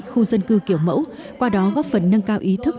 khu dân cư kiểu mẫu qua đó góp phần nâng cao ý thức